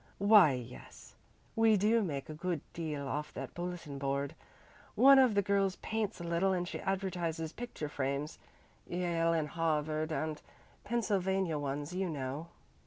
Why yes, we do make a good deal off that bulletin board. One of the girls paints a little and she advertises picture frames Yale and Harvard and Pennsylvania ones, you know.